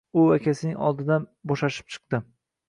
U akasining oldidan boʻshashib chiqdi.